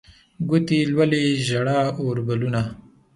ګوتې یې لولي ژړ اوربلونه